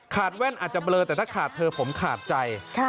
แว่นอาจจะเบลอแต่ถ้าขาดเธอผมขาดใจ